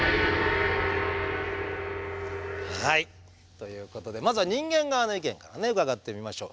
ということでまずは人間側の意見から伺ってみましょう。